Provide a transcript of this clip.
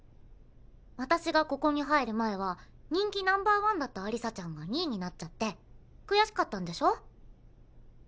私がここに入る前は人気ナンバーワンだったアリサちゃんが２位になっちゃって悔しかったんでしょ？